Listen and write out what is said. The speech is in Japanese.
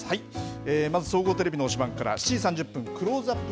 まず総合テレビの推しバン！から、７時３０分、クローズアップ